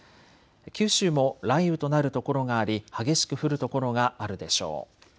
九州も雷雨となる所があり激しく降る所があるでしょう。